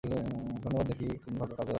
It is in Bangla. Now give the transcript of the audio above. ধন্যবাদ, দেখি ভাগ্য কাজে লাগে কিনা।